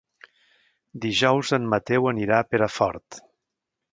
Dijous en Mateu anirà a Perafort.